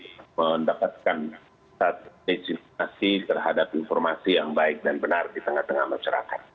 kita mendapatkan satu destinasi terhadap informasi yang baik dan benar di tengah tengah masyarakat